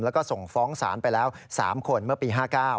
แล้วก็ส่งฟ้องศาลไปแล้ว๓คนเมื่อปี๕๙